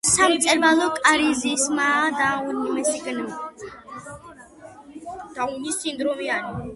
სამრეწველო კრიზისმა და უმუშევრობამ მძლავრი ბიძგი მისცა მუშათა მზარდ მოძრაობას.